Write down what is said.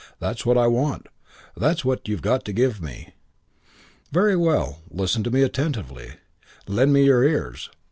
That's what I want. That's what you've got to give me.' "Very well. Listen to me attentively. Lend me your ears.